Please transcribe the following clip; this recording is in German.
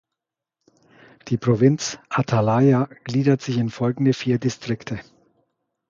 Die Provinz Atalaya gliedert sich in folgende vier Distrikte.